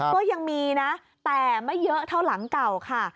ก็ยังมีนะแต่ไม่เยอะเท่าหลังเก่าค่ะ